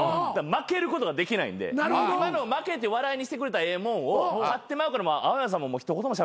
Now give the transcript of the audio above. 負けることができないんで今のを負けて笑いにしてくれたらええもんを勝ってまうから青山さんもう一言もしゃべってない。